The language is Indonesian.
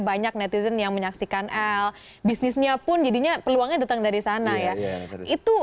banyak netizen yang menyaksikan l bisnisnya pun jadinya peluangnya datang dari sana ya itu